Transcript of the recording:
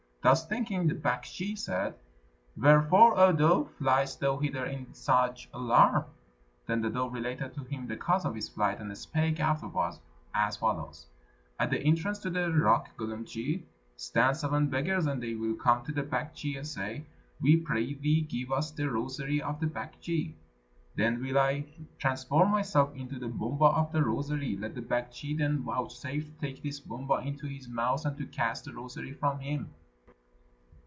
Thus thinking, the Baktschi said, "Wherefore, O dove, fliest thou hither in such alarm?" Then the dove related to him the cause of its flight, and spake afterwards as follows: "At the entrance to the rock Gulumtschi stand seven beggars, and they will come to the Baktschi and say, 'We pray thee give us the rosary of the Baktschi?' Then will I transform myself into the Bumba of the rosary; let the Baktschi then vouchsafe to take this Bumba into his mouth and to cast the rosary from him."